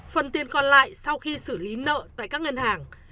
phần tiền còn lại sau khi xử lý nợ tại scb